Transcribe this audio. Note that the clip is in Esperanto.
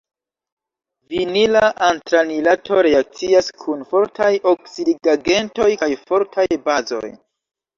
Vinila antranilato reakcias kun fortaj oksidigagentoj kaj fortaj bazoj.